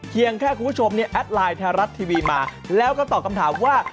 เพียงแค่คุณผู้ชมเนี่ยแอดไลน์ไทยรัฐทีวีมาแล้วก็ตอบคำถามว่า